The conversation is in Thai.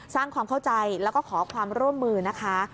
สร้างความเข้าใจแล้วก็ขอความร่วมมือนะคะ